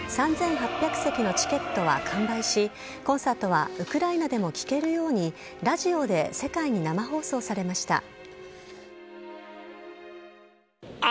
３８００席のチケットは完売し、コンサートはウクライナでも聴けるように、ラジオで世界に生放送されました。